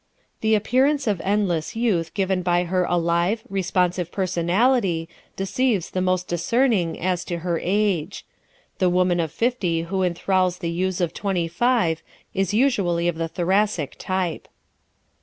The appearance of endless youth given by her alive, responsive personality deceives the most discerning as to her age. The woman of fifty who enthralls the youths of twenty five is usually of the Thoracic type.